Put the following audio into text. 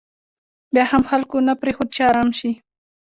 بیا هم خلکو نه پرېښوده چې ارام شي.